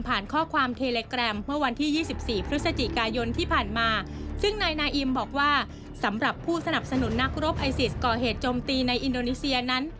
ผ่านข้อความเทลแกรมเมื่อวันที่๒๔พฤศจิกายนที่ผ่านมา